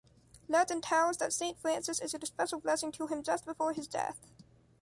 Legend tells that St. Francis issued a special blessing to him just before his death.